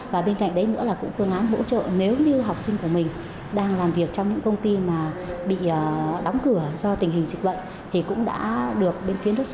và bên cạnh đấy nữa là cũng phương án hỗ trợ nếu như học sinh của mình đang làm việc trong những công ty mà bị đóng cửa do tình hình dịch bệnh